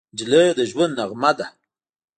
نجلۍ د ژوند نغمه ده.